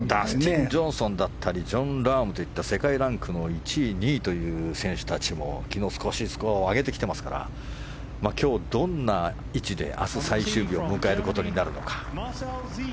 ダスティン・ジョンソンだったりジョン・ラームといった世界ランク１位、２位という選手たちも昨日、スコアを上げてきていますから今日、どんな位置で明日最終日を迎えることになるのか。